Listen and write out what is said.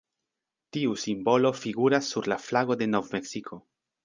Tiu simbolo figuras sur la flago de Nov-Meksiko.